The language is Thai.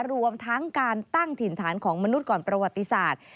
รวมทั้งการตั้งถิ่นฐานของมนุษย์ก่อนประวัติศาสตร์